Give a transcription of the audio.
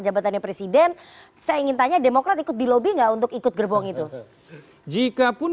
jabatannya presiden saya ingin tanya demokrat ikut di lobby nggak untuk ikut gerbong itu jikapun